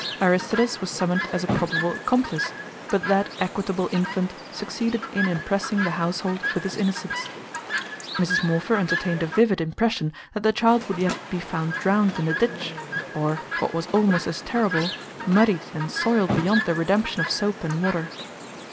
Aristides was summoned as a probable accomplice, but that equitable infant succeeded in impressing the household with his innocence. Mrs. Morpher entertained a vivid impression that the child would yet be found drowned in a ditch, or, what was almost as terrible, muddied and soiled beyond the redemption of soap and water.